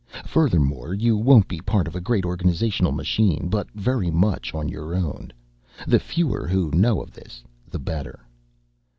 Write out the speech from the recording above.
Furthermore, you won't be part of a great organizational machine, but very much on your own. The fewer who know of this, the better."